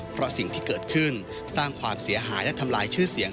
เพราะสิ่งที่เกิดขึ้นสร้างความเสียหายและทำลายชื่อเสียง